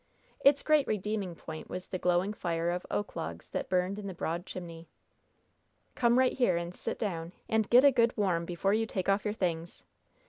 Its great redeeming point was the glowing fire of oak logs that burned in the broad chimney. "Come right here and sit down, and get a good warm before you take off your things.